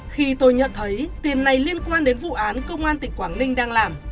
khi tôi nhận thấy tiền này liên quan đến vụ án công an tỉnh quảng ninh đang làm